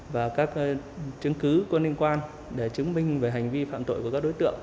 và các chứng cứ có liên quan để chứng minh về hành vi phạm tội của các đối tượng